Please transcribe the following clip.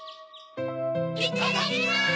・いただきます！